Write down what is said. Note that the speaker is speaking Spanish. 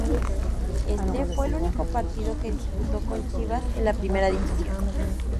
Este fue el único partido que disputo con "Chivas" en la Primera División.